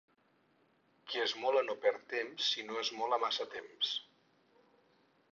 Qui esmola no perd temps, si no esmola massa temps.